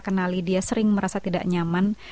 kenali dia sering merasa tidak nyaman